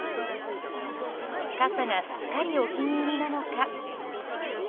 傘がすっかりお気に入りなのか。